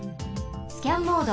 スキャンモード。